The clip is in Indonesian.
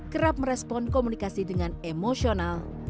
kerap merespon komunikasi dengan emosional